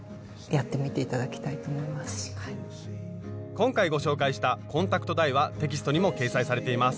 今回ご紹介したコンタクトダイはテキストにも掲載されています。